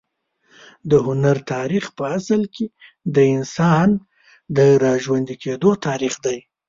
د هنر تاریخ په اصل کې د انسان د راژوندي کېدو تاریخ دی.